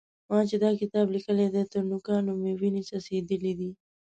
ما چې دا کتاب لیکلی دی؛ تر نوکانو مې وينې څڅېدلې دي.